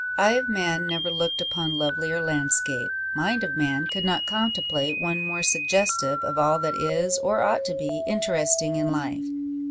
Eye of man never looked upon lovelier landscape; mind of man could not contemplate one more suggestive of all that is, or ought to be, interesting in life.